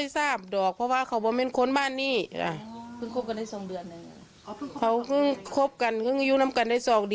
ถ้าเราเคยดูอยู่เนี่ยแม่อยากจะบอกอะไรกับเรื่องที่เกิดขึ้น